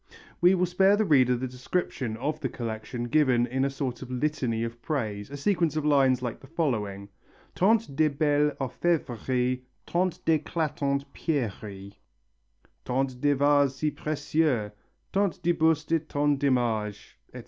We will spare the reader the description of the collection given in a sort of litany of praise, a sequence of lines like the following: Tant de belles orfevreries Tant d'éclatantes pierreries Tant de vases si précieux, Tant de bustes et tant d'images, etc.